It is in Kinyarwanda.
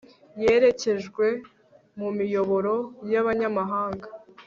Yerekejwe mumiyoboro yabanyamahanga